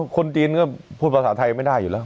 คนจีนก็พูดภาษาไทยไม่ได้อยู่แล้ว